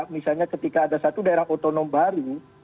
misalnya ketika ada satu daerah otonom baru